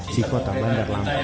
di kota bandar lampung